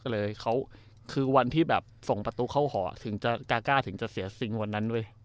ก็เลยเขาคือวันที่แบบส่งประตูเข้าหอถึงจะกาก้าถึงจะเสียซิงค์วันนั้นเว้ย